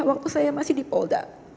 waktu saya masih di polda